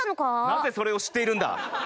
なぜそれを知っているんだ？